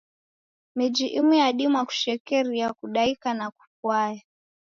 Miji imu yadima kushekeria kudaika na kufwaya.